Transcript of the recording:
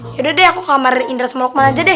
yaudah deh aku ke kamar indra semelokman aja deh